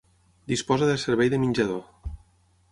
Disposa de servei de menjador.